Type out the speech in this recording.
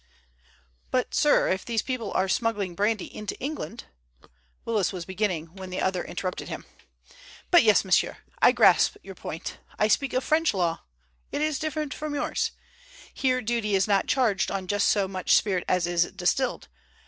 "But, sir, if these people are smuggling brandy into England—" Willis was beginning when the other interrupted him. "But yes, monsieur, I grasp your point. I speak of French law; it is different from yours. Here duty is not charged on just so much spirit as is distilled.